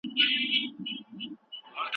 دغه مصارف د هغې له شتمنۍ څخه کيږي.